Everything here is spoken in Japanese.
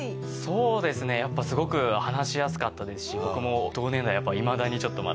そうですねやっぱすごく話しやすかったですし僕も同年代やっぱいまだにちょっとまだ。